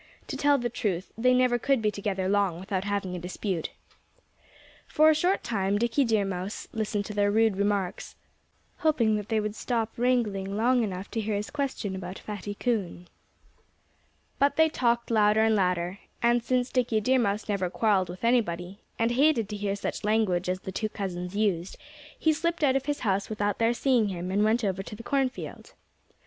To tell the truth, they never could be together long without having a dispute. For a short time Dickie Deer Mouse listened to their rude remarks, hoping that they would stop wrangling long enough to hear his question about Fatty Coon. But they talked louder and louder. And since Dickie Deer Mouse never quarreled with anybody, and hated to hear such language as the two cousins used, he slipped out of his house without their seeing him and went over to the cornfield.